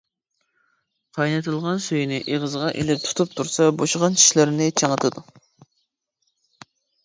قاينىتىلغان سۈيىنى ئېغىزغا ئېلىپ تۇتۇپ تۇرسا، بوشىغان چىشلىرىنى چىڭىتىدۇ.